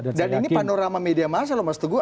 dan ini panorama media masa loh mas teguh